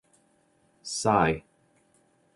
Sci.